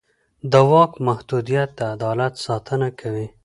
د واک محدودیت د عدالت ساتنه کوي